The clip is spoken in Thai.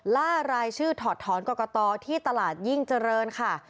ล่ารายชื่อถอดถอนกรกตที่ตลาดยิ่งเจริญค่ะ